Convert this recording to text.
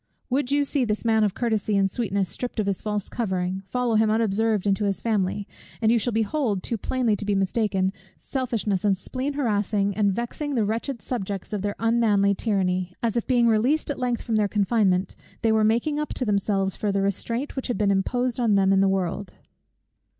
Would you see this man of courtesy and sweetness stripped of his false covering, follow him unobserved into his family; and you shall behold, too plain to be mistaken, selfishness and spleen harassing and vexing the wretched subjects of their unmanly tyranny; as if being released at length from their confinement, they were making up to themselves for the restraint which had been imposed on them in the world.